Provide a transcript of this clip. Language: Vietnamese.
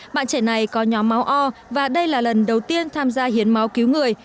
bạn trẻ này có nhóm máu o và đây là lần đầu tiên tham gia hiến máu cứu người